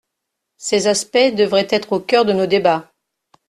Ces aspects devraient être au cœur de nos débats.